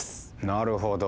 なるほど。